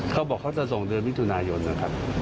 เขาบอกเขาจะส่งเดือนมิถุนายนนะครับ